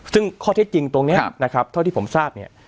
ซึ่งข้อเท็จจริงตรงนี้นะครับเท่าที่ผมทราบเนี่ย